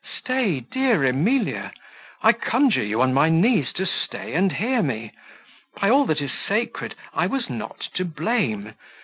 Stay, dear Emilia! I conjure you on my knees to stay and hear me. By all that is sacred, I was not to blame.